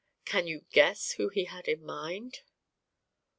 Can you guess who he had in mind?"